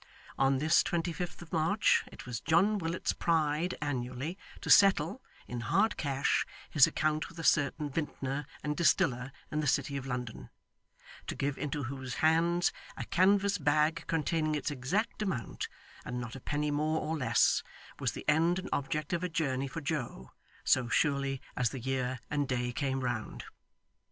On this twenty fifth of March, it was John Willet's pride annually to settle, in hard cash, his account with a certain vintner and distiller in the city of London; to give into whose hands a canvas bag containing its exact amount, and not a penny more or less, was the end and object of a journey for Joe, so surely as the year and day came round.